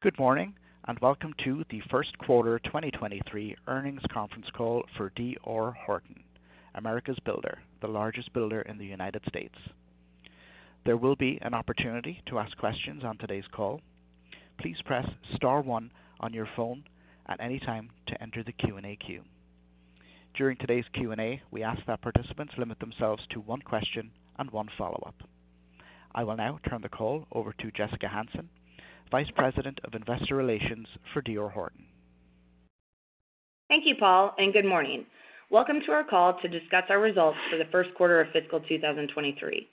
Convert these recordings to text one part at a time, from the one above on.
Good morning, welcome to the Q1 2023 earnings conference call for D.R. Horton, America's Builder, the largest builder in the U.S. There will be an opportunity to ask questions on today's call. Please press star one on your phone at any time to enter the Q&A queue. During today's Q&A, we ask that participants limit themselves to one question and one follow-up. I will now turn the call over to Jessica Hansen, Vice President of Investor Relations for D.R. Horton. Thank you, Paul, and good morning. Welcome to our call to discuss our results for the Q1 of fiscal 2023.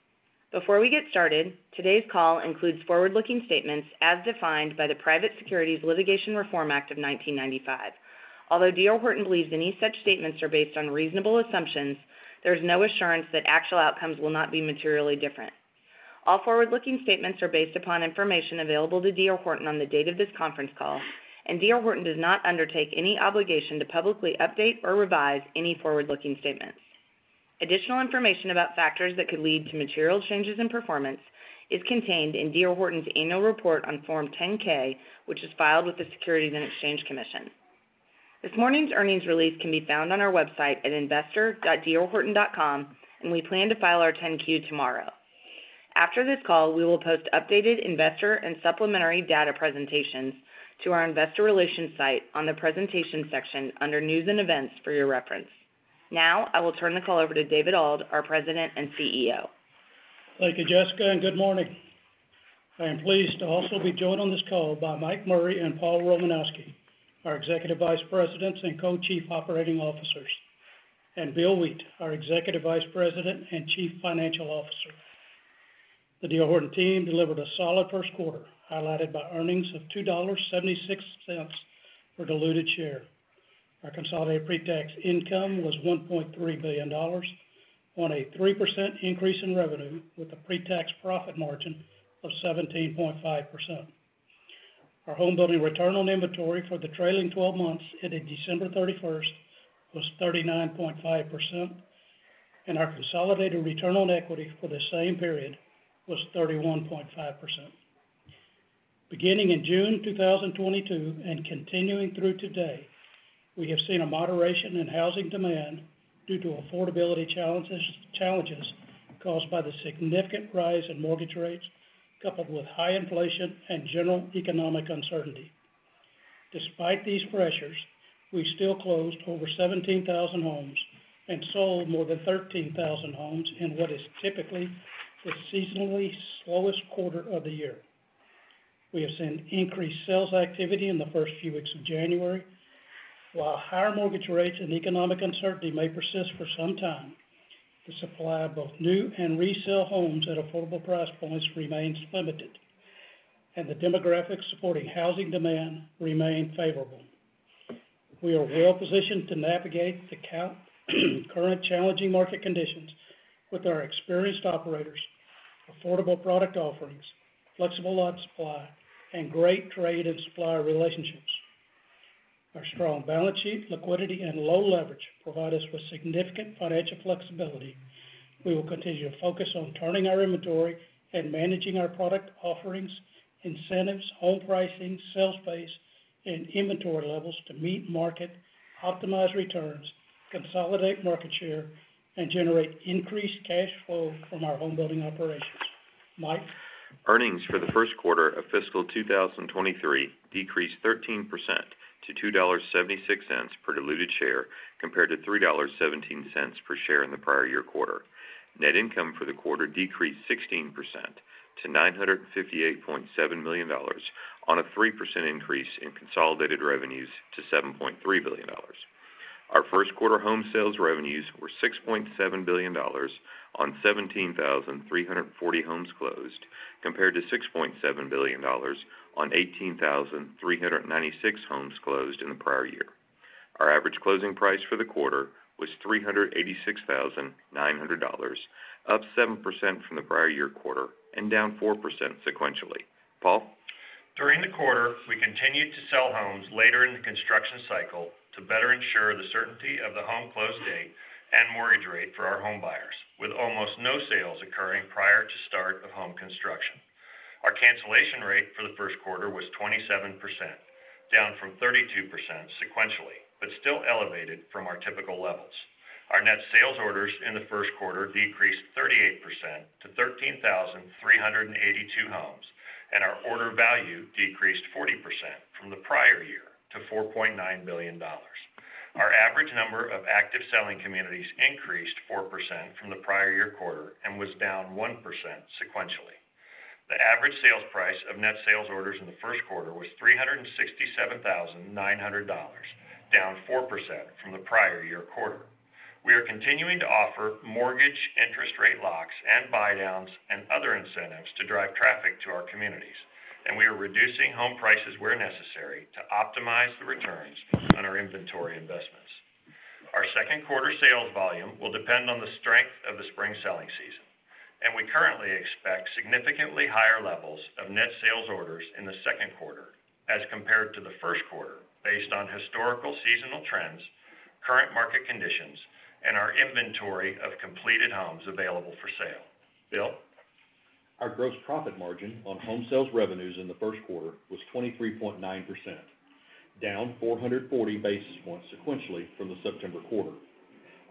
Before we get started, today's call includes forward-looking statements as defined by the Private Securities Litigation Reform Act of 1995. Although D.R. Horton believes any such statements are based on reasonable assumptions, there's no assurance that actual outcomes will not be materially different. All forward-looking statements are based upon information available to D.R. Horton on the date of this conference call, and D.R. Horton does not undertake any obligation to publicly update or revise any forward-looking statements. Additional information about factors that could lead to material changes in performance is contained in D.R. Horton's Annual Report on Form 10-K, which is filed with the Securities and Exchange Commission. This morning's earnings release can be found on our website at investor.drhorton.com. We plan to file our 10-Q tomorrow. After this call, we will post updated investor and supplementary data presentations to our investor relations site on the presentation section under News & Events for your reference. Now, I will turn the call over to David Auld, our President and CEO. Thank you, Jessica, and good morning. I am pleased to also be joined on this call by Mike Murray and Paul Romanowski, our Executive Vice Presidents and Co-Chief Operating Officers, and Bill Wheat, our Executive Vice President and Chief Financial Officer. The D.R. Horton team delivered a solid first quarter, highlighted by earnings of $2.76 per diluted share. Our consolidated pretax income was $1.3 billion on a 3% increase in revenue with a pretax profit margin of 17.5%. Our homebuilding return on inventory for the trailing 12 months ended December 31st was 39.5%, and our consolidated return on equity for the same period was 31.5%. Beginning in June 2022 and continuing through today, we have seen a moderation in housing demand due to affordability challenges caused by the significant rise in mortgage rates, coupled with high inflation and general economic uncertainty. Despite these pressures, we still closed over 17,000 homes and sold more than 13,000 homes in what is typically the seasonally slowest quarter of the year. We have seen increased sales activity in the first few weeks of January. While higher mortgage rates and economic uncertainty may persist for some time, the supply of both new and resale homes at affordable price points remains limited, and the demographics supporting housing demand remain favorable. We are well positioned to navigate the current challenging market conditions with our experienced operators, affordable product offerings, flexible lot supply, and great trade and supplier relationships. Our strong balance sheet, liquidity, and low leverage provide us with significant financial flexibility. We will continue to focus on turning our inventory and managing our product offerings, incentives, home pricing, sales pace, and inventory levels to meet market, optimize returns, consolidate market share, and generate increased cash flow from our homebuilding operations. Mike. Earnings for the first quarter of fiscal 2023 decreased 13% to $2.76 per diluted share compared to $3.17 per share in the prior year quarter. Net income for the quarter decreased 16% to $958.7 million on a 3% increase in consolidated revenues to $7.3 billion. Our first quarter home sales revenues were $6.7 billion on 17,340 homes closed, compared to $6.7 billion on 18,396 homes closed in the prior year. Our average closing price for the quarter was $386,900, up 7% from the prior year quarter and down 4% sequentially. Paul. During the quarter, we continued to sell homes later in the construction cycle to better ensure the certainty of the home close date and mortgage rate for our home buyers, with almost no sales occurring prior to start of home construction. Our cancellation rate for the first quarter was 27%, down from 32% sequentially, still elevated from our typical levels. Our net sales orders in the Q1 decreased 38% to 13,382 homes, our order value decreased 40% from the prior year to $4.9 billion. Our average number of active selling communities increased 4% from the prior year quarter was down 1% sequentially. The average sales price of net sales orders in the first quarter was $367,900, down 4% from the prior year quarter. We are continuing to offer mortgage interest rate locks and buydowns and other incentives to drive traffic to our communities, and we are reducing home prices where necessary to optimize the returns on our inventory investments. Our Q2 sales volume will depend on the strength of the spring selling season, and we currently expect significantly higher levels of net sales orders in the Q2 as compared to the first quarter based on historical seasonal trends. Current market conditions and our inventory of completed homes available for sale. Bill? Our gross profit margin on home sales revenues in the first quarter was 23.9%, down 440 basis points sequentially from the September quarter.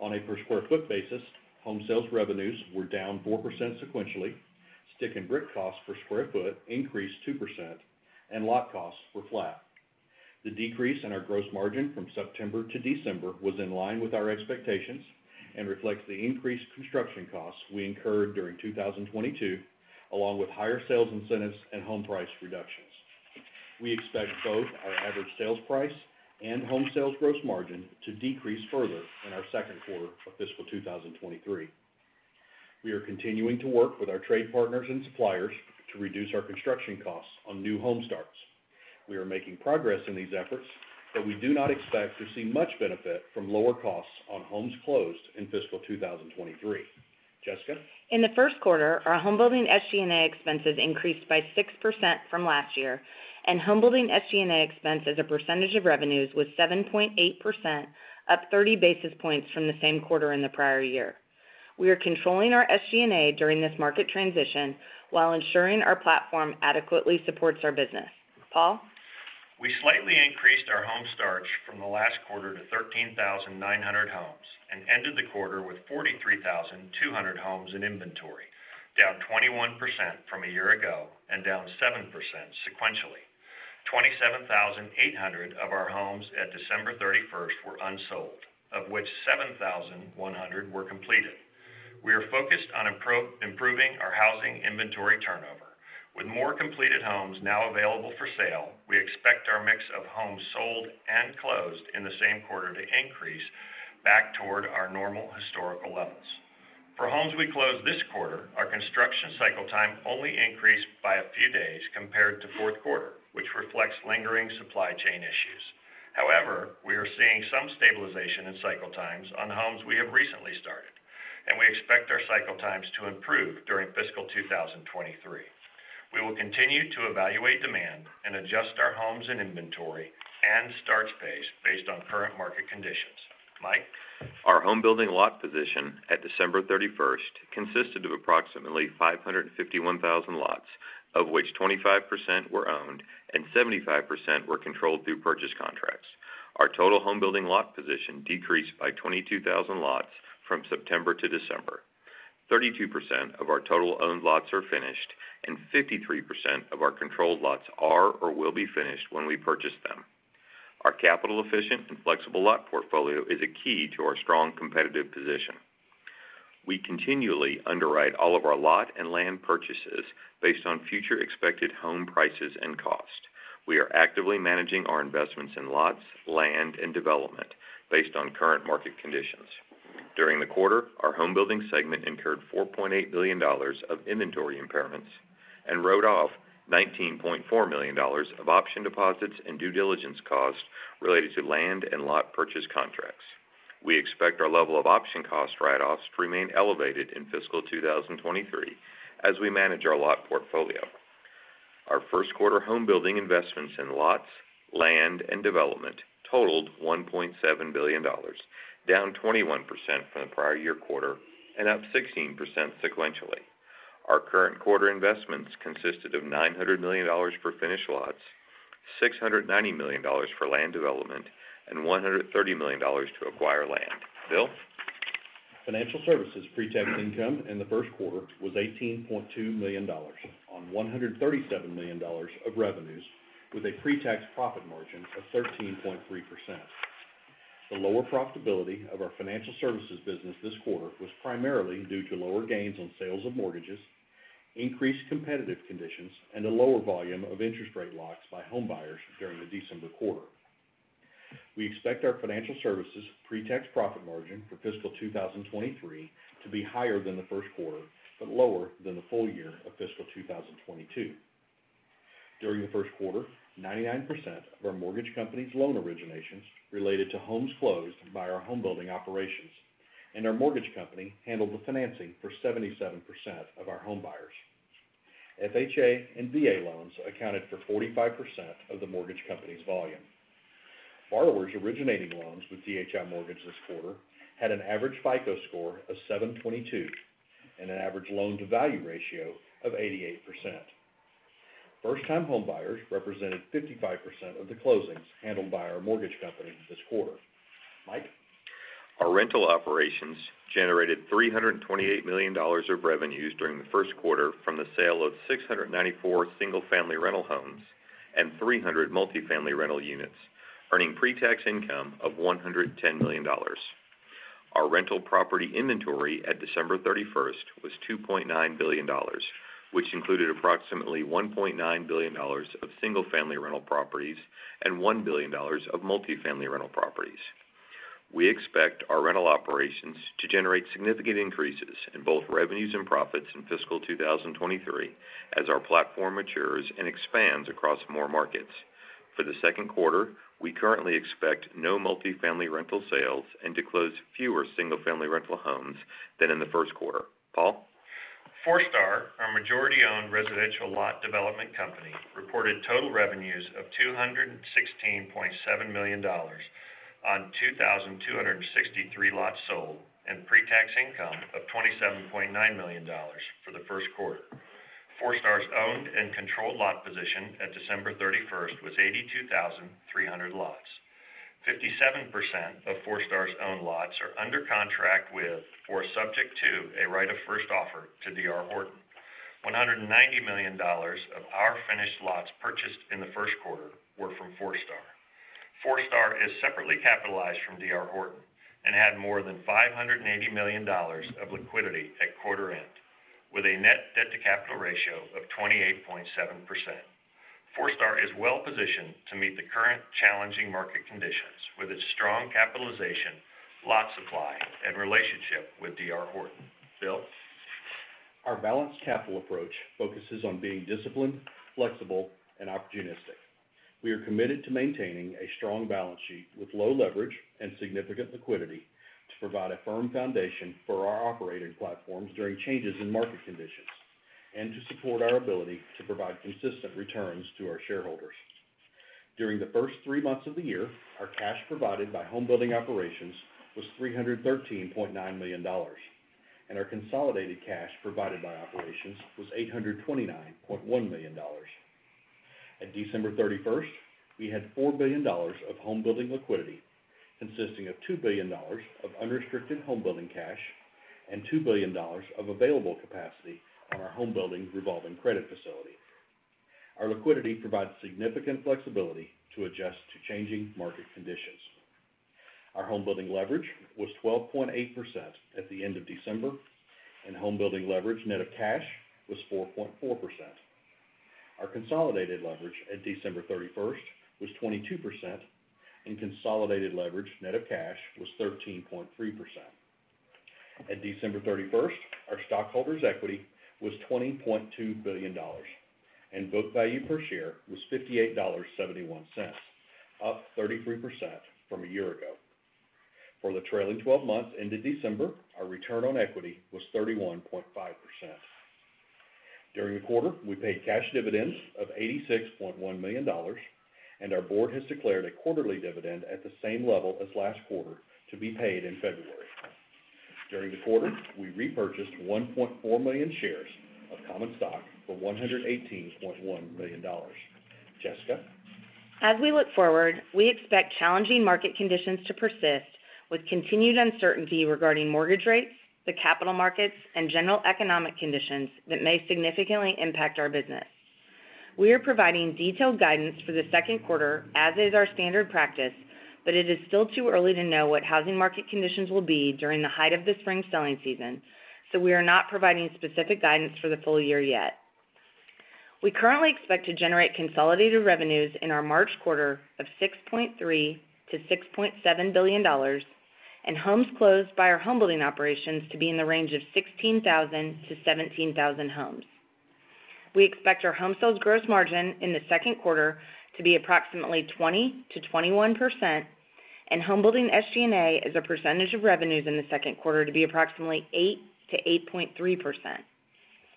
On a per square foot basis, home sales revenues were down 4% sequentially, stick and brick cost per square foot increased 2%, and lot costs were flat. The decrease in our gross margin from September to December was in line with our expectations and reflects the increased construction costs we incurred during 2022, along with higher sales incentives and home price reductions. We expect both our average sales price and home sales gross margin to decrease further in our Q2 of fiscal 2023. We are continuing to work with our trade partners and suppliers to reduce our construction costs on new home starts. We are making progress in these efforts, but we do not expect to see much benefit from lower costs on homes closed in fiscal 2023. Jessica? In the first quarter, our home building SG&A expenses increased by 6% from last year, and home building SG&A expense as a percentage of revenues was 7.8%, up 30 basis points from the same quarter in the prior year. We are controlling our SG&A during this market transition while ensuring our platform adequately supports our business. Paul? We slightly increased our home starts from the last quarter to 13,900 homes and ended the quarter with 43,200 homes in inventory, down 21% from a year ago and down 7% sequentially. 27,800 of our homes at December 31st were unsold, of which 7,100 were completed. We are focused on improving our housing inventory turnover. With more completed homes now available for sale, we expect our mix of homes sold and closed in the same quarter to increase back toward our normal historical levels. For homes we closed this quarter, our construction cycle time only increased by a few days compared to fourth quarter, which reflects lingering supply chain issues. We are seeing some stabilization in cycle times on homes we have recently started, and we expect our cycle times to improve during fiscal 2023. We will continue to evaluate demand and adjust our homes and inventory and starts pace based on current market conditions. Mike? Our home building lot position at December 31st consisted of approximately 551,000 lots, of which 25% were owned and 75% were controlled through purchase contracts. Our total home building lot position decreased by 22,000 lots from September to December. 32% of our total owned lots are finished, and 53% of our controlled lots are or will be finished when we purchase them. Our capital efficient and flexible lot portfolio is a key to our strong competitive position. We continually underwrite all of our lot and land purchases based on future expected home prices and cost. We are actively managing our investments in lots, land, and development based on current market conditions. During the quarter, our homebuilding segment incurred $4.8 billion of inventory impairments and wrote off $19.4 million of option deposits and due diligence costs related to land and lot purchase contracts. We expect our level of option cost write-offs to remain elevated in fiscal 2023 as we manage our lot portfolio. Our first quarter homebuilding investments in lots, land, and development totaled $1.7 billion, down 21% from the prior year quarter and up 16% sequentially. Our current quarter investments consisted of $900 million for finished lots, $690 million for land development, and $130 million to acquire land. Bill? Financial services pre-tax income in the Q1 was $18.2 million on $137 million of revenues with a pre-tax profit margin of 13.3%. The lower profitability of our financial services business this quarter was primarily due to lower gains on sales of mortgages, increased competitive conditions, and a lower volume of interest rate locks by homebuyers during the December quarter. We expect our financial services pre-tax profit margin for fiscal 2023 to be higher than the Q1, but lower than the full year of fiscal 2022. During the first quarter, 99% of our mortgage company's loan originations related to homes closed by our home building operations, and our mortgage company handled the financing for 77% of our home buyers. FHA and VA loans accounted for 45% of the mortgage company's volume. Borrowers originating loans with DHI Mortgage this quarter had an average FICO score of 722 and an average loan-to-value ratio of 88%. First-time homebuyers represented 55% of the closings handled by our mortgage company this quarter. Mike? Our rental operations generated $328 million of revenues during the Q1 from the sale of 694 single-family rental homes and 300 multifamily rental units, earning pre-tax income of $110 million. Our rental property inventory at December 31st was $2.9 billion, which included approximately $1.9 billion of single-family rental properties and $1 billion of multifamily rental properties. We expect our rental operations to generate significant increases in both revenues and profits in fiscal 2023 as our platform matures and expands across more markets. For the second quarter, we currently expect no multifamily rental sales and to close fewer single-family rental homes than in the Q1. Paul? Forestar, our majority-owned residential lot development company, reported total revenues of $216.7 million on 2,263 lots sold and pretax income of $27.9 million for the Q1. Forestar's owned and controlled lot position at December 31st was 82,300 lots. 57% of Forestar's owned lots are under contract with or subject to a right of first offer to D.R. Horton. $190 million of our finished lots purchased in the Q1 were from Forestar. Forestar is separately capitalized from D.R. Horton and had more than $580 million of liquidity at quarter end, with a net debt-to-capital ratio of 28.7%. Forestar is well-positioned to meet the current challenging market conditions with its strong capitalization, lot supply, and relationship with D.R. Horton. Bill? Our balanced capital approach focuses on being disciplined, flexible, and opportunistic. We are committed to maintaining a strong balance sheet with low leverage and significant liquidity to provide a firm foundation for our operating platforms during changes in market conditions and to support our ability to provide consistent returns to our shareholders. During the first three months of the year, our cash provided by homebuilding operations was $313.9 million, and our consolidated cash provided by operations was $829.1 million. At December 31st, we had $4 billion of homebuilding liquidity, consisting of $2 billion of unrestricted homebuilding cash and $2 billion of available capacity on our homebuilding revolving credit facility. Our liquidity provides significant flexibility to adjust to changing market conditions. Our homebuilding leverage was 12.8% at the end of December, and homebuilding leverage net of cash was 4.4%. Our consolidated leverage at December 31st was 22%, and consolidated leverage net of cash was 13.3%. At December 31st, our stockholders' equity was $20.2 billion, and book value per share was $58.71, up 33% from a year ago. For the trailing 12 months ended December, our return on equity was 31.5%. During the quarter, we paid cash dividends of $86.1 million, and our board has declared a quarterly dividend at the same level as last quarter to be paid in February. During the quarter, we repurchased 1.4 million shares of common stock for $118.1 million. Jessica? As we look forward, we expect challenging market conditions to persist, with continued uncertainty regarding mortgage rates, the capital markets, and general economic conditions that may significantly impact our business. We are providing detailed guidance for the Q2 as is our standard practice, but it is still too early to know what housing market conditions will be during the height of the spring selling season, so we are not providing specific guidance for the full year yet. We currently expect to generate consolidated revenues in our March quarter of $6.3 billion-$6.7 billion and homes closed by our homebuilding operations to be in the range of 16,000-17,000 homes. We expect our home sales gross margin in the Q2 to be approximately 20%-21% and homebuilding SG&A as a percentage of revenues in the Q2 to be approximately 8%-8.3%.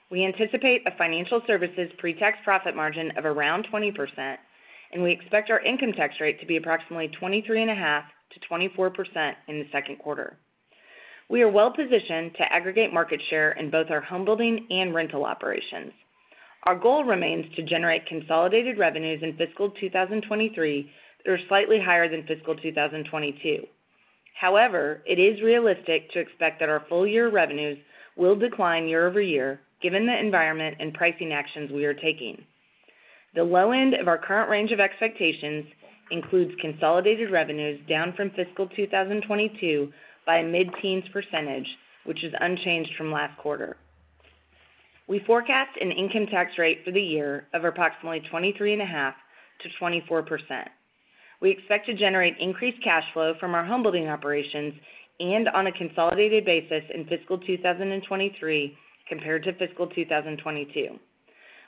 We anticipate a financial services pretax profit margin of around 20%, and we expect our income tax rate to be approximately 23.5%-24% in the Q2. We are well positioned to aggregate market share in both our homebuilding and rental operations. Our goal remains to generate consolidated revenues in fiscal 2023 that are slightly higher than fiscal 2022. However, it is realistic to expect that our full year revenues will decline year-over-year, given the environment and pricing actions we are taking. The low end of our current range of expectations includes consolidated revenues down from fiscal 2022 by a mid-teens %, which is unchanged from last quarter. We forecast an income tax rate for the year of approximately 23.5%-24%. We expect to generate increased cash flow from our homebuilding operations and on a consolidated basis in fiscal 2023 compared to fiscal 2022.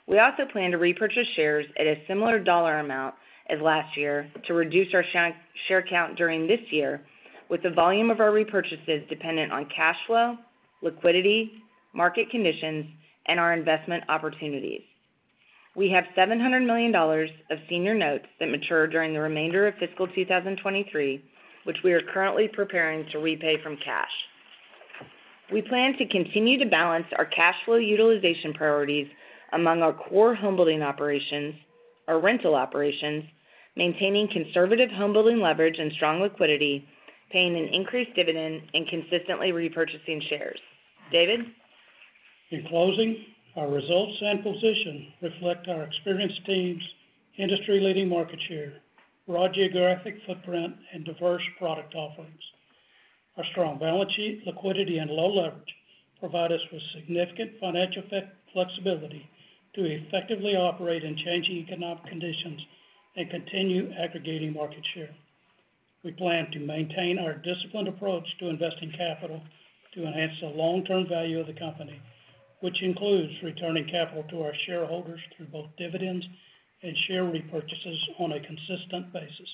We also plan to repurchase shares at a similar dollar amount as last year to reduce our share count during this year with the volume of our repurchases dependent on cash flow, liquidity, market conditions, and our investment opportunities. We have $700 million of senior notes that mature during the remainder of fiscal 2023, which we are currently preparing to repay from cash. We plan to continue to balance our cash flow utilization priorities among our core homebuilding operations, our rental operations, maintaining conservative homebuilding leverage and strong liquidity, paying an increased dividend, and consistently repurchasing shares. David? In closing, our results and position reflect our experienced teams, industry-leading market share, broad geographic footprint, and diverse product offerings. Our strong balance sheet, liquidity, and low leverage provide us with significant financial flexibility to effectively operate in changing economic conditions and continue aggregating market share. We plan to maintain our disciplined approach to investing capital to enhance the long-term value of the company, which includes returning capital to our shareholders through both dividends and share repurchases on a consistent basis.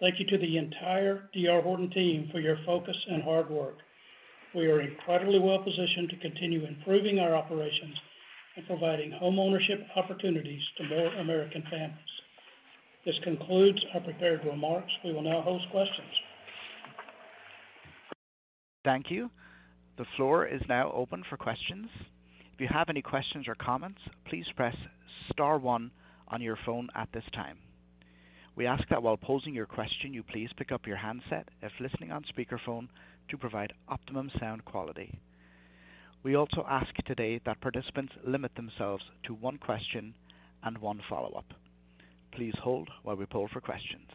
Thank you to the entire D.R. Horton team for your focus and hard work. We are incredibly well-positioned to continue improving our operations and providing homeownership opportunities to more American families. This concludes our prepared remarks. We will now host questions. Thank you. The floor is now open for questions. If you have any questions or comments, please press star one on your phone at this time. We ask that while posing your question, you please pick up your handset if listening on speakerphone to provide optimum sound quality. We also ask today that participants limit themselves to one question and one follow-up. Please hold while we poll for questions.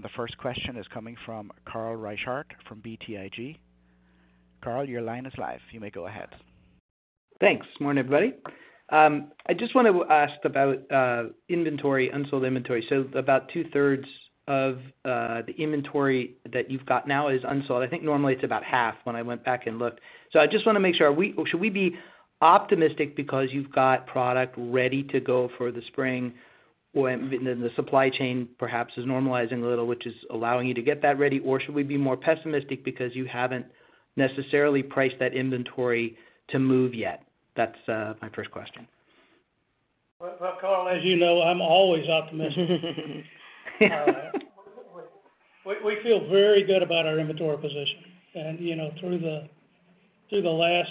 The first question is coming from Carl Reichardt from BTIG. Carl, your line is live. You may go ahead. Thanks. Morning, everybody. I just want to ask about inventory, unsold inventory. About two-thirds of the inventory that you've got now is unsold. I think normally it's about half when I went back and looked. I just want to make sure, should we be optimistic because you've got product ready to go for the spring when the supply chain perhaps is normalizing a little, which is allowing you to get that ready? Or should we be more pessimistic because you haven't necessarily priced that inventory to move yet? That's my first question. Well, Carl, as you know, I'm always optimistic. We feel very good about our inventory position. You know, through the last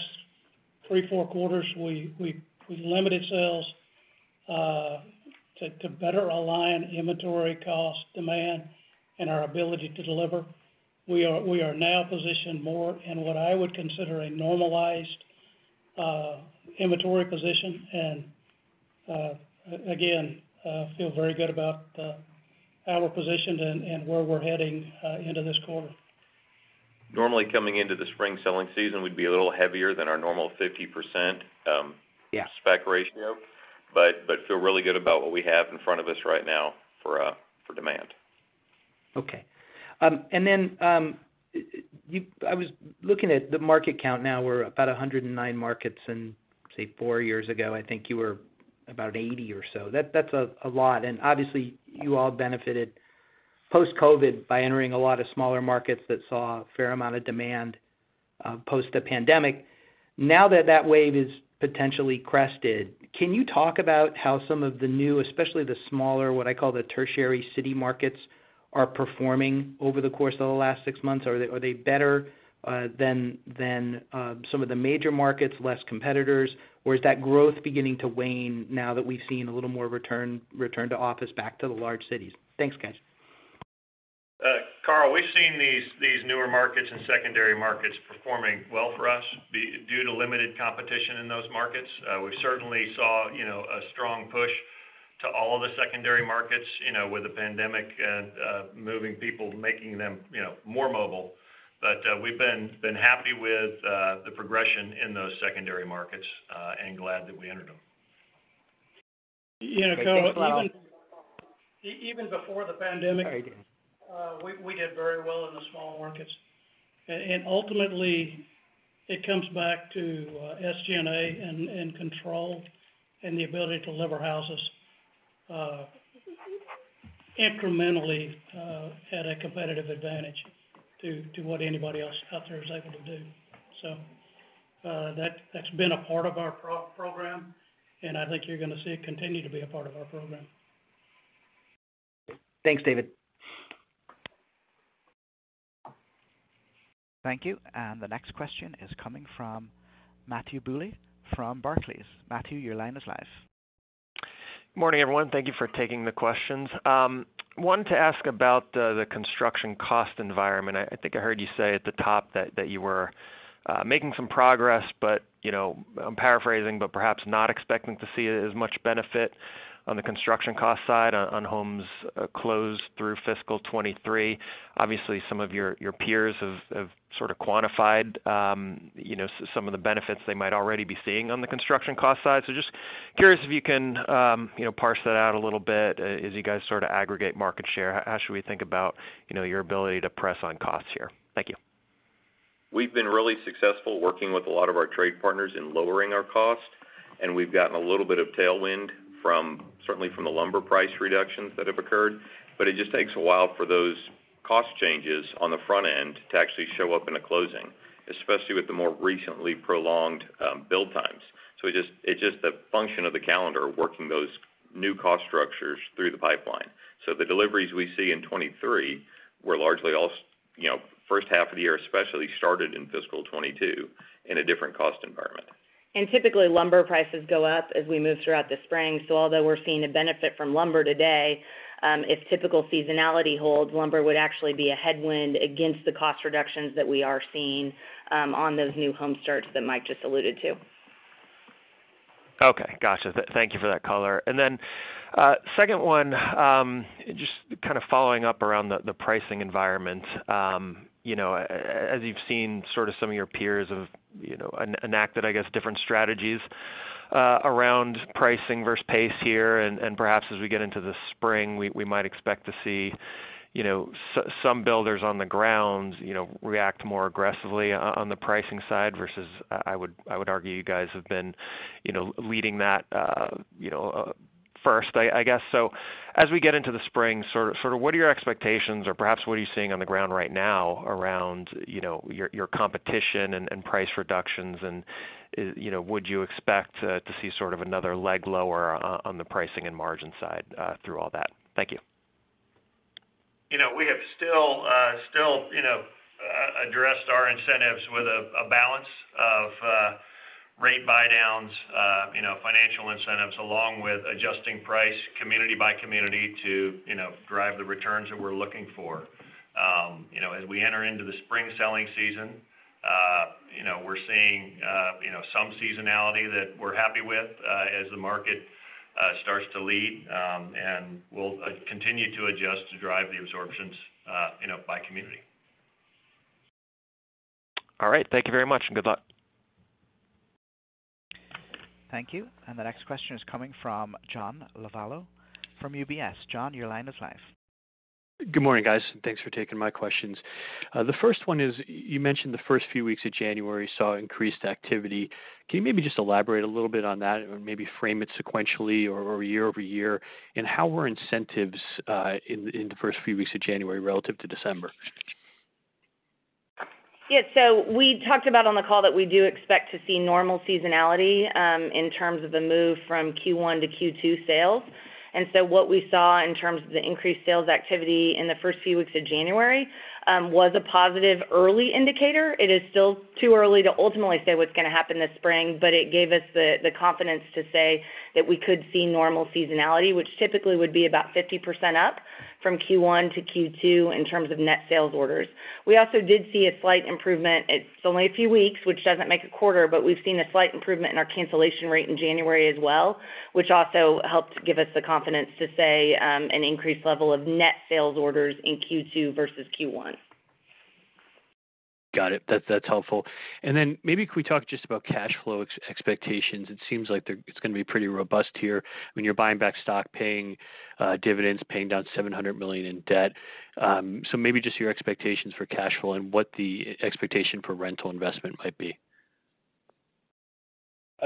three, four quarters, we've limited sales, to better align inventory cost, demand, and our ability to deliver. We are now positioned more in what I would consider a normalized, inventory position, and, again, feel very good about the how we're positioned and where we're heading, into this quarter. Normally coming into the spring selling season, we'd be a little heavier than our normal 50%. Yeah. -spec ratio, but feel really good about what we have in front of us right now for demand. I was looking at the market count now we're about 109 markets, and say four years ago, I think you were about 80 or so. That's a lot. Obviously you all benefited post-COVID by entering a lot of smaller markets that saw a fair amount of demand post the pandemic. Now that that wave is potentially crested, can you talk about how some of the new, especially the smaller, what I call the tertiary city markets, are performing over the course of the last six months? Are they better than some of the major markets, less competitors? Is that growth beginning to wane now that we've seen a little more return to office back to the large cities? Thanks, guys. Carl, we've seen these newer markets and secondary markets performing well for us due to limited competition in those markets. We certainly saw, you know, a strong push to all the secondary markets, you know, with the pandemic and moving people, making them, you know, more mobile. We've been happy with the progression in those secondary markets, and glad that we entered them. You know, Carl. Thanks a lot. Even before the pandemic- Sorry. We did very well in the small markets. Ultimately, it comes back to SG&A and control and the ability to deliver houses incrementally at a competitive advantage to what anybody else out there is able to do. That's been a part of our pro-program. I think you're going to see it continue to be a part of our program. Thanks, David. Thank you. The next question is coming from Matthew Bouley from Barclays. Matthew, your line is live. Morning, everyone. Thank you for taking the questions. Wanted to ask about the construction cost environment. I think I heard you say at the top that you were making some progress, but, you know, I'm paraphrasing, but perhaps not expecting to see as much benefit on the construction cost side on homes closed through fiscal 2023. Obviously, some of your peers have sort of quantified, you know, some of the benefits they might already be seeing on the construction cost side. Just curious if you can, you know, parse that out a little bit as you guys sort of aggregate market share. How should we think about, you know, your ability to press on costs here? Thank you. We've been really successful working with a lot of our trade partners in lowering our cost, and we've gotten a little bit of tailwind from, certainly from the lumber price reductions that have occurred. It just takes a while for those cost changes on the front end to actually show up in a closing, especially with the more recently prolonged build times. It just, it's just a function of the calendar working those new cost structures through the pipeline. The deliveries we see in 2023 were largely you know, first half of the year, especially started in fiscal 2022 in a different cost environment. Typically, lumber prices go up as we move throughout the spring. Although we're seeing a benefit from lumber today, if typical seasonality holds, lumber would actually be a headwind against the cost reductions that we are seeing, on those new home starts that Mike just alluded to. Okay. Got you. Thank you for that color. Then, second one, just kind of following up around the pricing environment. You know, as you've seen sort of some of your peers have, you know, enacted, I guess, different strategies around pricing versus pace here, and perhaps as we get into the spring, we might expect to see. You know, some builders on the grounds, you know, react more aggressively on the pricing side versus, I would argue you guys have been, you know, leading that, you know, first, I guess. as we get into the spring, sort of what are your expectations or perhaps what are you seeing on the ground right now around, you know, your competition and price reductions and, you know, would you expect to see sort of another leg lower on the pricing and margin side through all that? Thank you. You know, we have still, you know, address our incentives with a balance of rate buydowns, you know, financial incentives, along with adjusting price community by community to, you know, drive the returns that we're looking for. You know, as we enter into the spring selling season, you know, we're seeing, you know, some seasonality that we're happy with, as the market starts to lead. We'll continue to adjust to drive the absorptions, you know, by community. All right. Thank you very much, and good luck. Thank you. The next question is coming from John Lovallo from UBS. John, your line is live. Good morning, guys. Thanks for taking my questions. The first one is, you mentioned the first few weeks of January saw increased activity. Can you maybe just elaborate a little bit on that or maybe frame it sequentially or year-over-year? How were incentives in the first few weeks of January relative to December? We talked about on the call that we do expect to see normal seasonality in terms of the move from Q1 to Q2 sales. What we saw in terms of the increased sales activity in the first few weeks of January was a positive early indicator. It is still too early to ultimately say what's gonna happen this spring, but it gave us the confidence to say that we could see normal seasonality, which typically would be about 50% up from Q1 to Q2 in terms of net sales orders. We also did see a slight improvement. It's only a few weeks, which doesn't make a quarter, but we've seen a slight improvement in our cancellation rate in January as well, which also helped give us the confidence to say an increased level of net sales orders in Q2 versus Q1. Got it. That's helpful. Maybe could we talk just about cash flow expectations? It seems like it's gonna be pretty robust here. I mean, you're buying back stock, paying dividends, paying down $700 million in debt. Maybe just your expectations for cash flow and what the expectation for rental investment might be.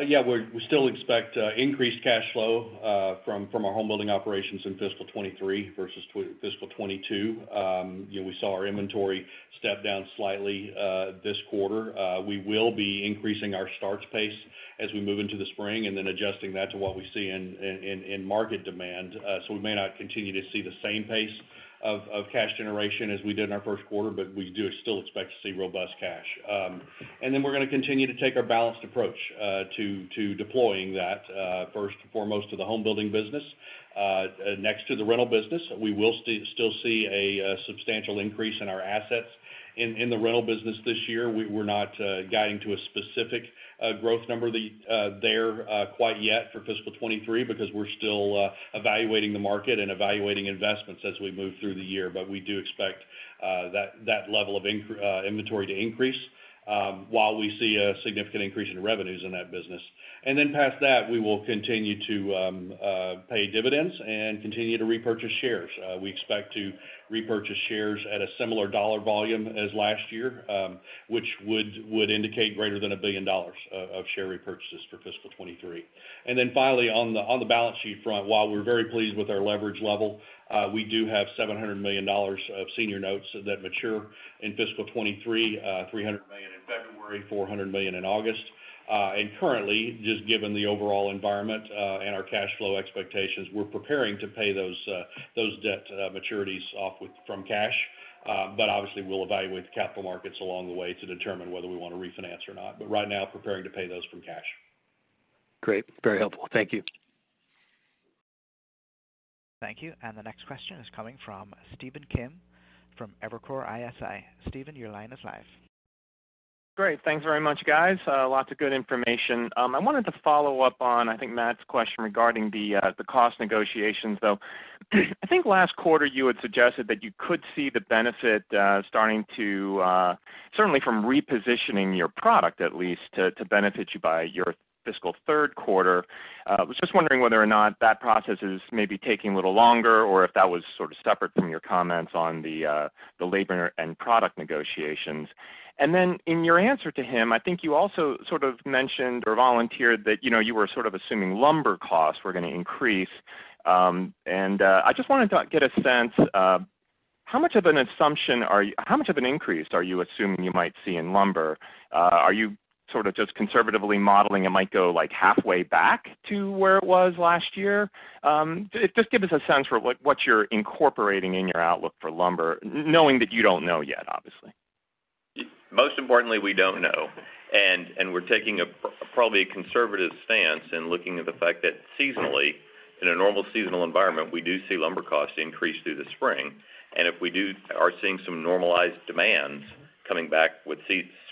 Yeah, we still expect increased cash flow from our home building operations in fiscal 2023 versus fiscal 2022. You know, we saw our inventory step down slightly this quarter. We will be increasing our starts pace as we move into the spring and then adjusting that to what we see in market demand. We may not continue to see the same pace of cash generation as we did in our first quarter, but we do still expect to see robust cash. We're gonna continue to take our balanced approach to deploying that first and foremost to the home building business next to the rental business. We will still see a substantial increase in our assets in the rental business this year. We're not guiding to a specific growth number there quite yet for fiscal 23 because we're still evaluating the market and evaluating investments as we move through the year. We do expect that level of inventory to increase while we see a significant increase in revenues in that business. Past that, we will continue to pay dividends and continue to repurchase shares. We expect to repurchase shares at a similar dollar volume as last year, which would indicate greater than $1 billion of share repurchases for fiscal 23. Finally, on the balance sheet front, while we're very pleased with our leverage level, we do have $700 million of senior notes that mature in fiscal 2023, $300 million in February, $400 million in August. Currently, just given the overall environment, and our cash flow expectations, we're preparing to pay those debt maturities off from cash. Obviously, we'll evaluate the capital markets along the way to determine whether we want to refinance or not. Right now, preparing to pay those from cash. Great. Very helpful. Thank you. Thank you. The next question is coming from Stephen Kim from Evercore ISI. Stephen, your line is live. Great. Thanks very much, guys. Lots of good information. I wanted to follow up on, I think, Matt's question regarding the cost negotiations, though. I think last quarter you had suggested that you could see the benefit starting to certainly from repositioning your product at least to benefit you by your fiscal Q3. Was just wondering whether or not that process is maybe taking a little longer, or if that was sort of separate from your comments on the labor and product negotiations. Then in your answer to him, I think you also sort of mentioned or volunteered that, you know, you were sort of assuming lumber costs were gonna increase. I just wanted to get a sense of how much of an increase are you assuming you might see in lumber? Are you sort of just conservatively modeling it might go like halfway back to where it was last year? Just give us a sense for what you're incorporating in your outlook for lumber, knowing that you don't know yet, obviously. Most importantly, we don't know. We're taking a probably conservative stance in looking at the fact that seasonally, in a normal seasonal environment, we do see lumber costs increase through the spring. If we are seeing some normalized demands coming back with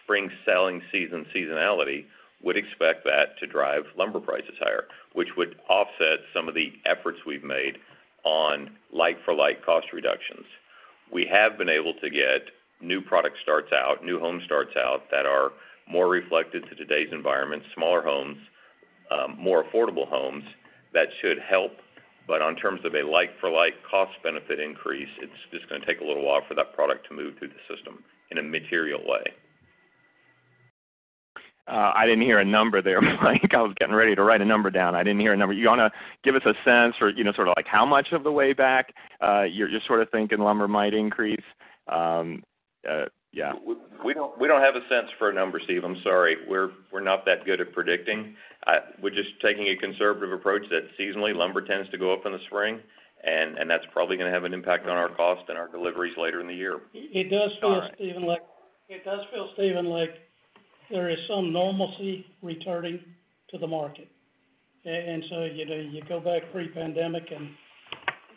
spring selling season seasonality, would expect that to drive lumber prices higher, which would offset some of the efforts we've made on like-for-like cost reductions. We have been able to get new product starts out, new home starts out that are more reflective to today's environment, smaller homes More affordable homes that should help. On terms of a like for like cost benefit increase, it's just gonna take a little while for that product to move through the system in a material way. I didn't hear a number there. I think I was getting ready to write a number down. I didn't hear a number. You wanna give us a sense or, you know, sort of like how much of the way back, you're sort of thinking lumber might increase? Yeah. We don't have a sense for a number, Stephen. I'm sorry. We're not that good at predicting. We're just taking a conservative approach that seasonally lumber tends to go up in the spring, and that's probably gonna have an impact on our cost and our deliveries later in the year. All right. It does feel, Stephen, like there is some normalcy returning to the market. So, you know, you go back pre-pandemic and,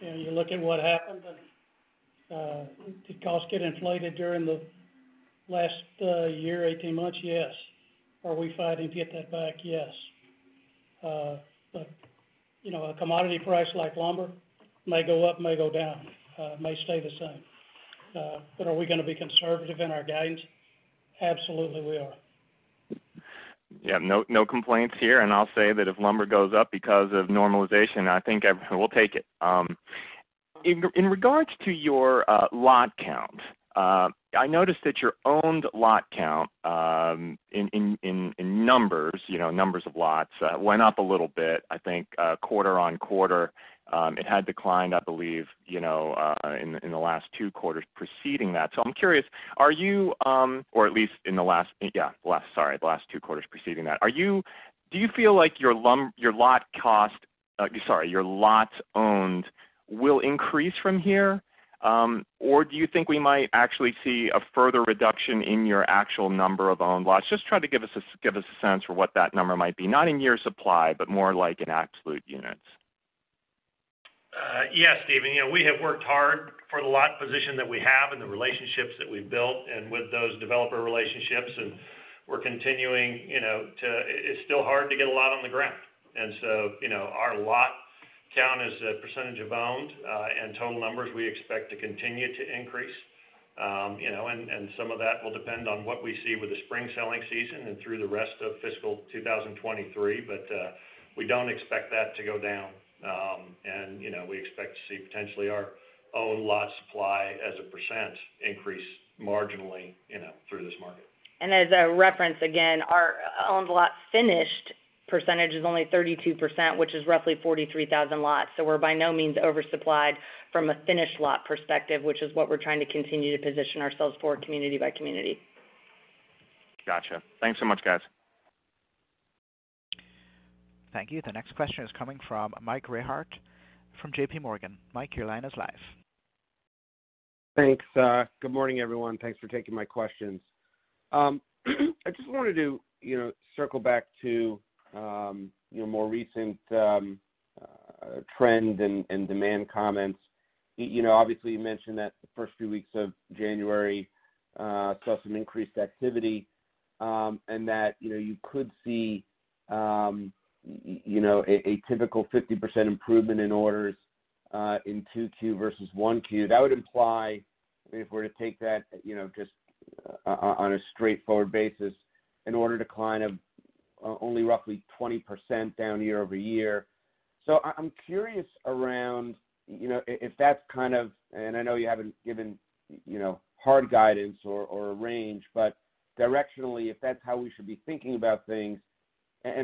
you know, you look at what happened, and did costs get inflated during the last year, 18 months? Yes. Are we fighting to get that back? Yes. But, you know, a commodity price like lumber may go up, may go down, may stay the same. But are we gonna be conservative in our guidance? Absolutely, we are. Yeah. No, no complaints here. I'll say that if lumber goes up because of normalization, I think we'll take it. In regards to your lot count, I noticed that your owned lot count in numbers, you know, numbers of lots, went up a little bit, I think, quarter-on-quarter. It had declined, I believe, you know, in the last two quarters preceding that. I'm curious, are you... Or at least in the last two quarters preceding that. Do you feel like your lot cost, sorry, your lots owned will increase from here? Or do you think we might actually see a further reduction in your actual number of owned lots? Just try to give us a sense for what that number might be, not in year supply, but more like in absolute units. Yes, Stephen. You know, we have worked hard for the lot position that we have and the relationships that we've built and with those developer relationships, we're continuing, you know, It's still hard to get a lot on the ground. So, you know, our lot count as a % of owned, and total numbers, we expect to continue to increase. You know, and some of that will depend on what we see with the spring selling season and through the rest of fiscal 2023. We don't expect that to go down. You know, we expect to see potentially our owned lot supply as a % increase marginally, you know, through this market. As a reference, again, our owned lot finished percentage is only 32%, which is roughly 43,000 lots. We're by no means oversupplied from a finished lot perspective, which is what we're trying to continue to position ourselves for community by community. Gotcha. Thanks so much, guys. Thank you. The next question is coming from Michael Rehaut from JP Morgan. Mike, your line is live. Thanks. Good morning, everyone. Thanks for taking my questions. I just wanted to, you know, circle back to your more recent trend and demand comments. You know, obviously, you mentioned that the first few weeks of January saw some increased activity, and that, you know, you could see a typical 50% improvement in orders in 2Q versus 1Q. That would imply, I mean, if we were to take that, you know, just on a straightforward basis, an order decline of only roughly 20% down year-over-year. I'm curious around, you know, if that's kind of... I know you haven't given, you know, hard guidance or a range, but directionally, if that's how we should be thinking about things.